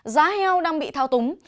giá heo đang bị thao túng